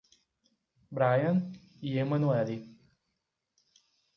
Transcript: Bryan e Emanuelly